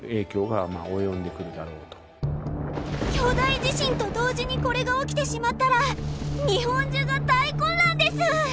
巨大地震と同時にこれが起きてしまったら日本中が大混乱です！